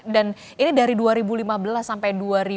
dan ini dari dua ribu lima belas sampai dua ribu dua puluh